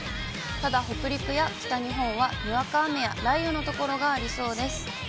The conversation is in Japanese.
ただ、北陸や北日本はにわか雨や雷雨の所がありそうです。